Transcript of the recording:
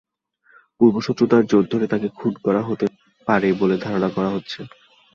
পূর্বশত্রুতার জের ধরে তাঁকে খুন করা হতে পারে বলে ধারণা করা হচ্ছে।